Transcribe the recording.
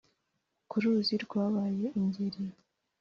ku ruzi rwabaye ingeri